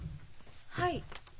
はい。